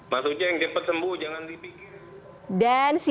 mas uceng cepat sembuh jangan dipikir